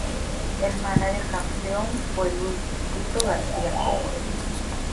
El mánager campeón fue Luis "Chito" García Cobos.